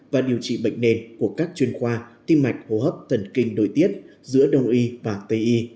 và điều trị bệnh nền của các chuyên khoa tim mạch hô hấp thần kinh nội tiết giữa đông y và tây y